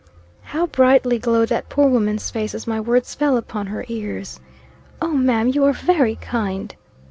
How brightly glowed that poor woman's face as my words fell upon her ears! "O, ma'am, you are very kind!"